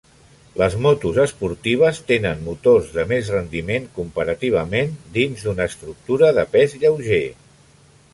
Les motos esportives tenen motors de més rendiment comparativament, dins d'una estructura de pes lleuger.